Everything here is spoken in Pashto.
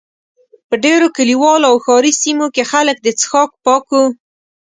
په ډېرو کلیوالو او ښاري سیمو کې خلک د څښاک پاکو.